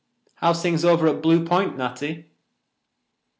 How's things over at Blue Point, Natty?"